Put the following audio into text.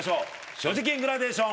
所持金グラデーション。